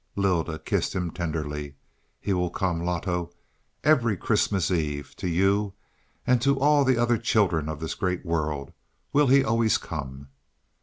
Lylda kissed him tenderly. "He will come, Loto, every Christmas Eve; to you and to all the other children of this great world, will he always come."